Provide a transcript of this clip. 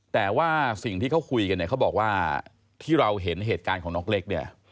แต่ว่าสิ่งที่เขาคุยกันเนี่ยเขาบอกว่าที่เราเห็นเหตุการณ์ของน้องเล็กเนี่ย